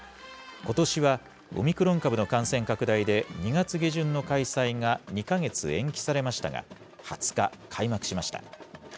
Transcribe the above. ことしはオミクロン株の感染拡大で、２月下旬の開催が２か月延期されましたが、２０日、開幕しました。